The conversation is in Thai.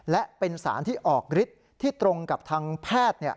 และเป็นสารที่ออกฤทธิ์ที่ตรงกับทางแพทย์